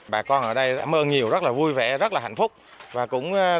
bà con ở đây mơ nhiều rất là vui vẻ rất là hạnh phúc